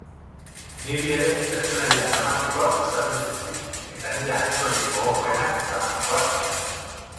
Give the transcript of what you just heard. Niri ere pertsonaia dramatikoak gustatzen zaizkit, eta nire aktorerik gogokoenak dramatikoak dira.